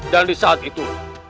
dan di saat itu